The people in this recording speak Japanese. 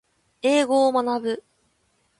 英語を学ぶ